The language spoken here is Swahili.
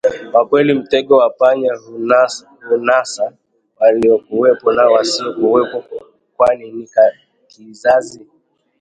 Kwa kweli mtego wa panya hunasa waliokuwepo na wasiokuwepo kwani ni kizazi